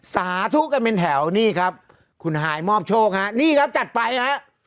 สาธุกันเป็นแถวนี่ครับคุณฮายมอบโชคฮะนี่ครับจัดไปฮะ